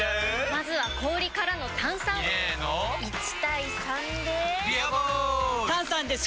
まずは氷からの炭酸！入れの１：３で「ビアボール」！